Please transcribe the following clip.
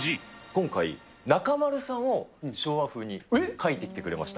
今回、中丸さんを昭和風に描いてきてくれました。